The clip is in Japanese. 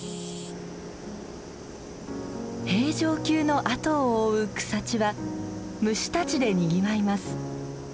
平城宮の跡を覆う草地は虫たちでにぎわいます。